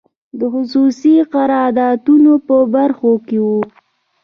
د خصوصي قراردادونو په برخو کې وو.